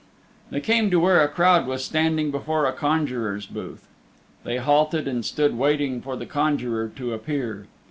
They came to where a crowd was standing before a conjurer's booth. They halted and stood waiting for the conjurer to appear.